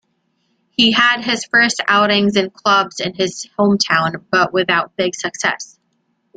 He had his first outings in clubs in his hometown but without big success.